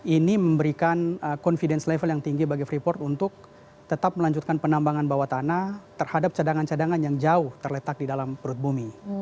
ini memberikan confidence level yang tinggi bagi freeport untuk tetap melanjutkan penambangan bawah tanah terhadap cadangan cadangan yang jauh terletak di dalam perut bumi